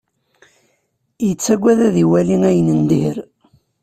Yettagad ad iwali ayen n dir.